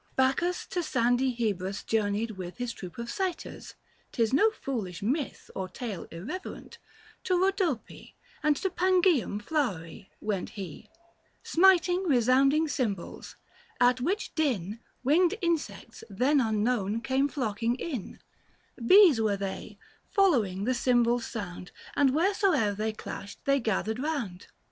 Book III. THE FASTI. 95 Bacchus to sandy Hebrus journeyed with His troop of Satyrs — ('tis no foolish myth Or tale irreverent) — to Khodope 790 And to Pangseum flowery, went he Smiting resounding cymbals : at which din Winged insects, then unknown, came flocking in, Bees were they, following the cymbals' sound And wheresoe'er they clashed they gathered round.